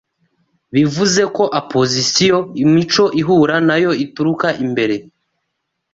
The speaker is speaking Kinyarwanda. bivuze ko opozisiyo imico ihura nayo ituruka imbere